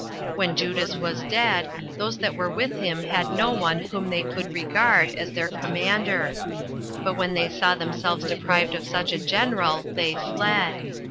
When Judas was dead, those that were with him had no one whom they could regard [as their commander]; but when they saw themselves deprived of such a general, they fled.